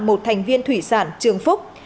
một thành viên thủy sản trường phúc